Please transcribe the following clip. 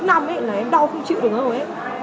là em đau không chịu được nữa rồi